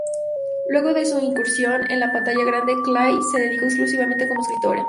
Luego de su incursión en la pantalla grande, Clay, se dedicó exclusivamente como escritora.